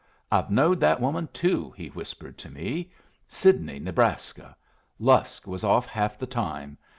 "I've knowed that woman, too," he whispered to me. "Sidney, Nebraska. Lusk was off half the time.